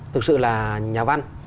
thực sự là nhà văn